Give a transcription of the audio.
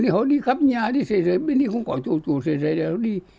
họ đi khắp nhà đi xe rầy bên đây không có chỗ xe rầy đâu